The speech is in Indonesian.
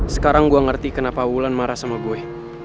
sekarang gue ngerti kenapa wulan marah sama gue